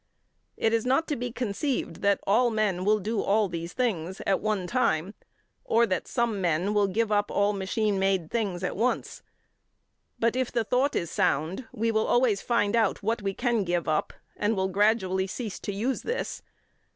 It is not to be conceived that all men will do all these things at one time, or that some men will give up all machine made things at once. But, if the thought is sound, we will always find out what we can give up, and will gradually cease to use this.